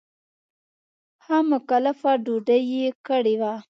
ښه مکلفه ډوډۍ یې کړې وه.